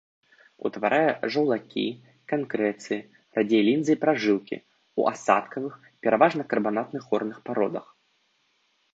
Утварае жаўлакі, канкрэцыі, радзей лінзы і пражылкі ў асадкавых, пераважна карбанатных горных пародах.